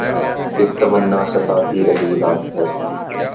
اک تمنا ستاتی رہی رات بھر